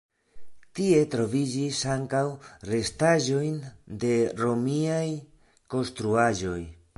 Tie troviĝis ankaŭ restaĵojn de romiaj konstruaĵoj.